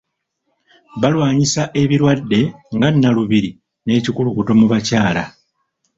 Balwanyisa ebirwadde nga Nnalubiri n'ekikulukuto mu bakyala.